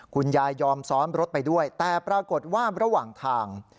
คุณยายยอมซ้อนรถไปด้วยแต่ปรากฏว่าระหว่างทาง